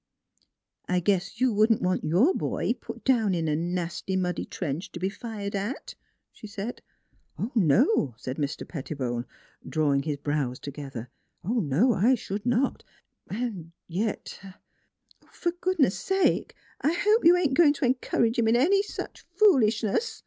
" I guess you wouldn't want your boy put down in a nasty muddy trench to be fired at," she said. " No," said Mr. Pettibone, drawing his NEIGHBORS 113 brows together. "No; I should not. ... And yet "" For goodness sake ! I hope you ain't going to encourage him in any such foolishness!